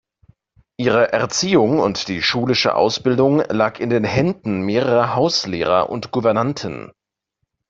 Ihre Erziehung und die schulische Ausbildung lag in den Händen mehrerer Hauslehrer und Gouvernanten.